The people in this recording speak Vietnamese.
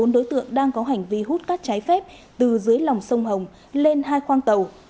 bốn đối tượng đang có hành vi hút cát trái phép từ dưới lòng sông hồng lên hai khoang tàu